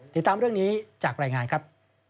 ติดตามเรื่องนี้จากรายงานครับ